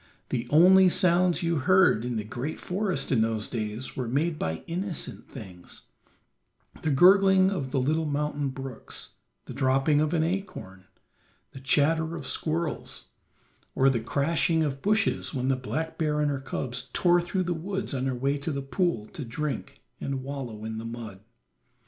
The only sounds you heard in the great forest in those days were made by innocent things: the gurgling of the little mountain brooks, the dropping of an acorn, the chatter of squirrels, or the crashing of bushes when the black bear and her cubs tore through the woods on her way to the pool to drink and wallow in the mud.